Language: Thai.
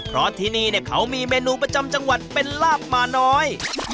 เพราะที่นี่เขามีเมนูประจำจังหวัดเป็นลาบหมาน้อย